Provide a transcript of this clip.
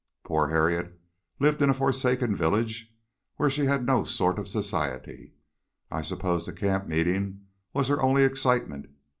Poor Harriet lived in a forsaken village where she had no sort of society; I suppose the camp meeting was her only excitement.